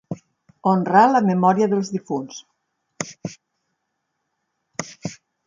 Honrar la memòria dels difunts.